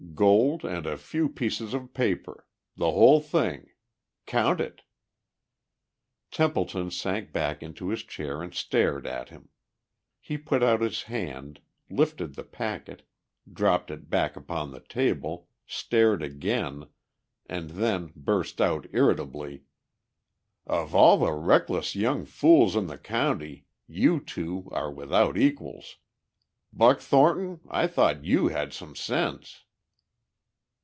"Gold and a few pieces of paper. The whole thing. Count it." Templeton sank back into his chair and stared at him. He put out his hand, lifted the packet, dropped it back upon the table, stared again, and then burst out irritably: "Of all the reckless young fools in the county you two are without equals. Buck Thornton, I thought you had some sense!"